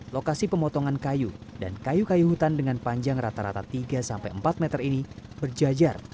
lokasi pemotongan kayu dan kayu kayu hutan dengan panjang rata rata tiga sampai empat meter ini berjajar